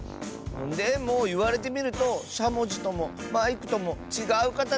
でもいわれてみるとしゃもじともマイクともちがうかたちかも。